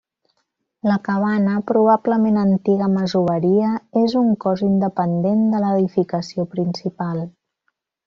La cabana, probablement antiga masoveria, és un cos independent de l'edificació principal.